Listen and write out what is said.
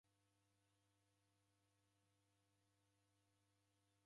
Ndedidedanye kafwani.